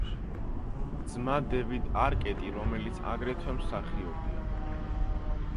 ძმა დევიდ არკეტი, რომელიც აგრეთვე მსახიობია.